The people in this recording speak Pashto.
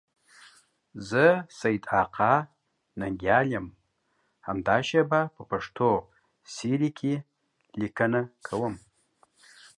زه سیدآقا ننگیال یم، همدا شیبه په پښتو سیرې کې لیکنه کوم.